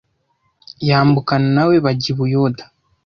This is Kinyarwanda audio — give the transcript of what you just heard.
yambukana na we bajya ibuyuda